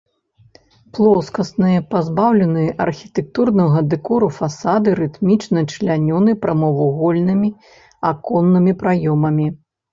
Плоскасныя, пазбаўленыя архітэктурнага дэкору фасады рытмічна члянёны прамавугольнымі аконнымі праёмамі.